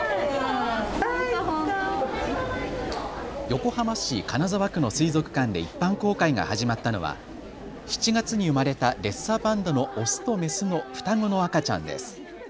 横浜市金沢区の水族館で一般公開が始まったのは７月に生まれたレッサーパンダのオスとメスの双子の赤ちゃんです。